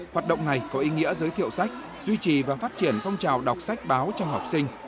hoạt động này có ý nghĩa giới thiệu sách duy trì và phát triển phong trào đọc sách báo trong học sinh